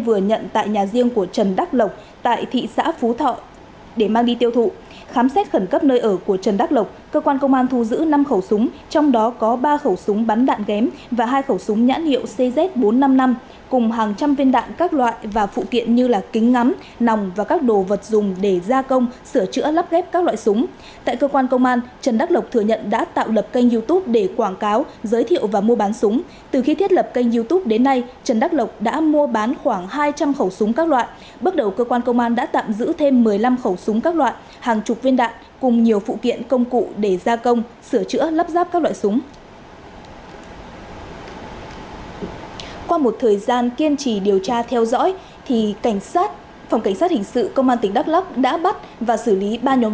qua một thời gian kiên trì điều tra theo dõi thì phòng cảnh sát hình sự công an tỉnh đắk lắk đã bắt và xử lý ba nhóm đối tượng tín dụng đen trong vòng một ngày